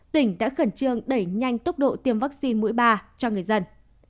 tỉnh đã khẩn trương đẩy nhanh tốc độ tiêm vaccine mũi ba cho người dân